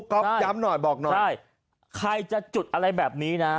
ก็ย้ำหน่อยบอกหน่อยใช่ใครจะจุดอะไรแบบนี้นะ